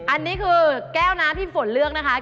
อันนี้คือแก้วนะพี่ฝนเลือกนะคะ